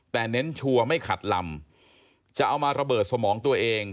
แต่เน้นชัวร์ไม่ขัดลำจะเอามาระเบิดสมองตัวเอง